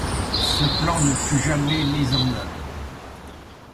Ce plan ne fut jamais mis en œuvre.